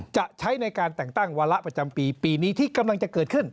จะใช้ในการแต่งตั้งวาระประจำปีปีนี้ที่กำลังจะเกิดขึ้น